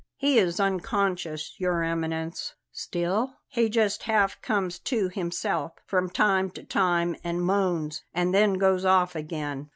"He is unconscious, Your Eminence." "Still?" "He just half comes to himself from time to time and moans, and then goes off again."